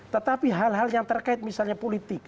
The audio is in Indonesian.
tetapi hal hal yang terkait misalnya politik